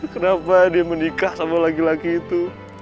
kenapa dia menikah sama laki laki itu